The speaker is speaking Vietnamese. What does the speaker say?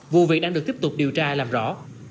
vụ việc đang được tiếp tục điều tra làm rõ